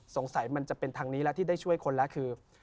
สงสัยมันจะเป็นทางนี้แล้วที่ได้ช่วยคนแล้วคือ